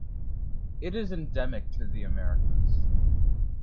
It is endemic to the Americas.